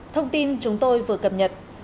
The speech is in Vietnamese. thông tin chúng tôi vừa cập nhật